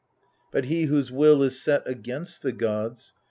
But he whose will is set against the gods.